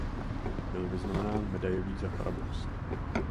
Byl vyznamenán medailí za chrabrost.